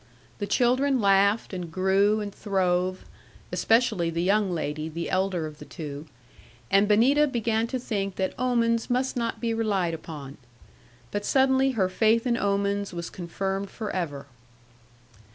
The children laughed, and grew, and throve (especially the young lady, the elder of the two), and Benita began to think that omens must not be relied upon. But suddenly her faith in omens was confirmed for ever.